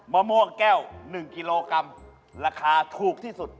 มะม่วงแก้ว๑กิโลกรัมราคาถูกที่สุด